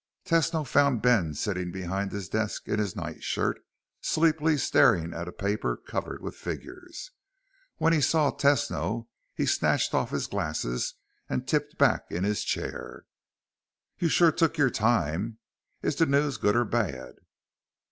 Tesno found Ben sitting behind his desk in his nightshirt, sleepily staring at a paper covered with figures. When he saw Tesno, he snatched off his glasses and tipped back in his chair. "You sure took your time. Is the news good or bad?"